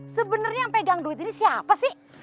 sebenarnya yang pegang duit ini siapa sih